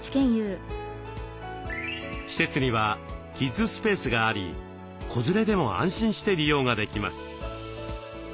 施設にはキッズスペースがあり子連れでも安心して利用ができます。